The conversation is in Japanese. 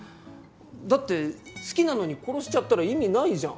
だって好きなのに殺しちゃったら意味ないじゃん。